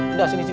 udah sini sini